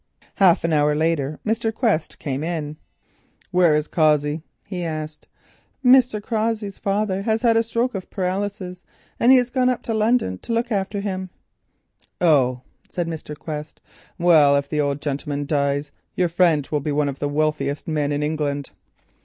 Half an hour later, Mr. Quest came in. "Where is Cossey?" he asked. "Mr. Cossey's father has had a stroke of paralysis and he has gone up to London to look after him." "Oh," said Mr. Quest. "Well, if the old gentleman dies, your friend will be one of the wealthiest men in England."